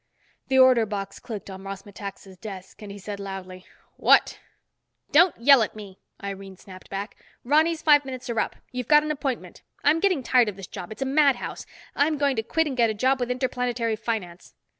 The order box clicked on Ross Metaxa's desk and he said loudly, "What?" "Don't yell at me," Irene snapped back. "Ronny's five minutes are up. You've got an appointment. I'm getting tired of this job. It's a mad house. I'm going to quit and get a job with Interplanetary Finance."